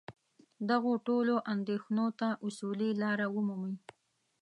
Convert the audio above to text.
دغو ټولو اندېښنو ته اصولي لاره ومومي.